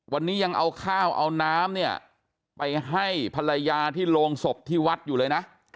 วันนี้ยังเอาข้าวเอาน้ำเนี่ยไปให้ภรรยาที่โรงศพที่วัดอยู่เลยนะ